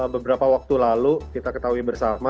beberapa waktu lalu kita ketahui bersama